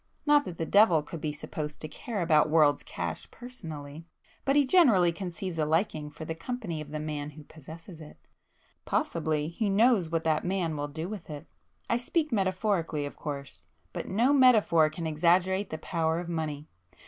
Not that the devil could be supposed to care about world's cash personally,—but he generally conceives a liking for the company of the [p 288] man who possesses it;—possibly he knows what that man will do with it. I speak metaphorically of course,—but no metaphor can exaggerate the power of money.